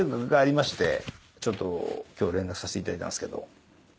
ちょっと今日連絡させていただいたんですけど。